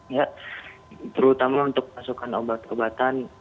ya terutama untuk pasokan obat obatan